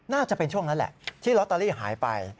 น่าจะเป็นช่วงนั้นแหละที่ลอตเตอรี่หายไป